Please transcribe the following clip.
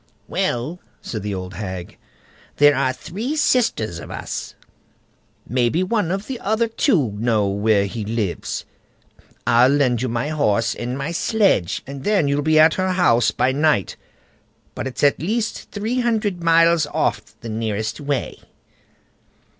"Well!" said the old hag, "there are three sisters of us; maybe one of the other two know where he lives. I'll lend you my horse and sledge, and then you'll be at her house by night; but it's at least three hundred miles off, the nearest way."